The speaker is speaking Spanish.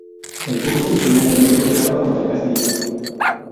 El curso original del río estaba junto al castillo.